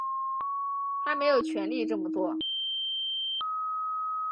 他没有权力这么做